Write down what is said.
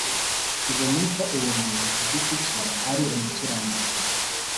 ibona ko uwo muntu ku giti cye ari umukiranutsi